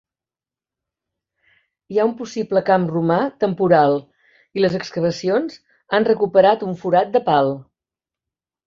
Hi ha un possible camp romà temporal i les excavacions han recuperat un forat de pal.